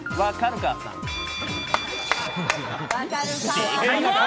正解は。